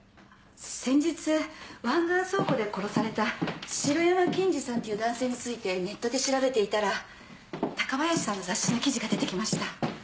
先日湾岸倉庫で殺された城山錦司さんっていう男性についてネットで調べていたら高林さんの雑誌の記事が出てきました。